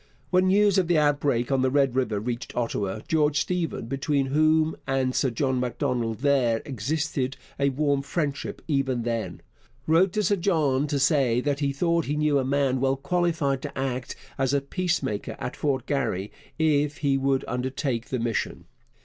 When news of the outbreak on the Red River reached Ottawa, George Stephen between whom and Sir John Macdonald there existed a warm friendship even then wrote to Sir John to say that he thought he knew a man well qualified to act as a peacemaker at Fort Garry if he would undertake the mission.